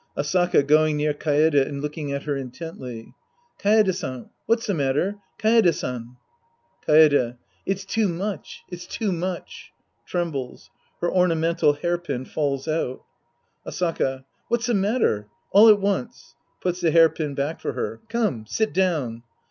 Asaka {going near Kaede and looking at her in tently). Kaede San. What's the matter? Kaede Sail. Kaede. It's too much. It's too much. {Trembles. Her ornamental hair pin falls out.) Asaka. What's the matter ? All at once. {Puts the hair pin back for her.) Come, sit down.